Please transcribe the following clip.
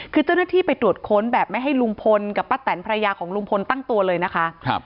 คือเจ้าหน้าที่ไปตรวจค้นแบบไม่ให้ลุงพลกับป้าแตนภรรยาของลุงพลตั้งตัวเลยนะคะ